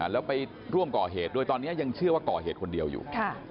แล้วไปร่วมก่อเหตุด้วยตอนนี้ยังเชื่อว่าก่อเหตุคนเดียวอยู่